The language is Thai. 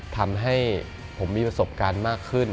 ทำให้ผมมีประสบการณ์มากขึ้น